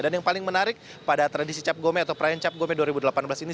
dan yang paling menarik pada tradisi cap gome atau perayaan cap gome dua ribu delapan belas ini